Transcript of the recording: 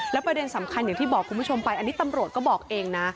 ประเด็นสำคัญอย่างที่บอกคุณผู้ชมไปอันนี้ตำรวจก็บอกเองนะ